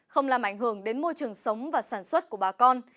không làm ảnh hưởng đến môi trường sống và sản xuất của bà con